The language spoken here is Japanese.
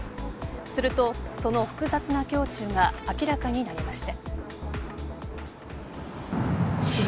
すると、その複雑な胸中が明らかになりました。